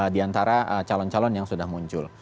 di antara calon calon yang sudah muncul